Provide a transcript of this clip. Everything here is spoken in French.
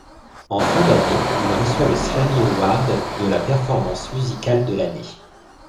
En fin d'année, il reçoit le Slammy Awards de la performance musicale de l'année.